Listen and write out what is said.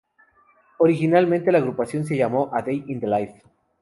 Originariamente la agrupación se llamó A Day in the Life.